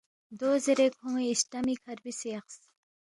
دو زیرے کھون٘ی اِسٹمی کھہ ربسے یقس